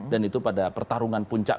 dan itu pada pertarungan puncak